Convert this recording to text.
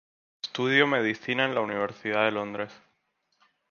Estudió medicina en la Universidad de Londres.